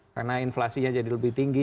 karena inflasinya jadi lebih tinggi